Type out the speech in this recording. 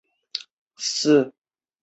分处首长职称为分处处长。